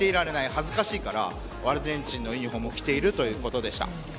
恥ずかしいから、アルゼンチンのユニホームを着ているということでした。